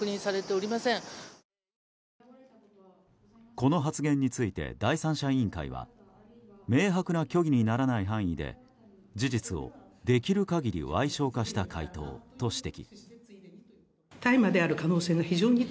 この発言について第三者委員会は明白な虚偽にならない範囲で事実をできる限り矮小化した回答と指摘。